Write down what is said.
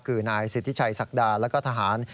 คือนายศิษย์ทิชัยศักดาและก็ทหาร